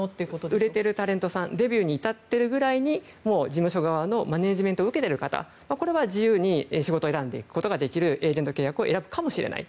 今、売れているタレントさんがデビューに至っているくらいにもう事務所側のマネジメントを受けている方は自由に仕事を選ぶことができるエージェント契約を選ぶかもしれない。